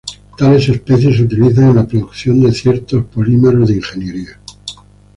Tales especies se utilizan en la producción de ciertos polímeros de ingeniería.